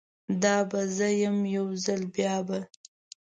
دا به زه یم، یو ځل بیا به